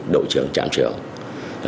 đội trưởng trạm trưởng